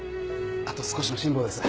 あと少しの辛抱です。